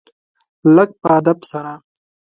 لږ په ادب سره .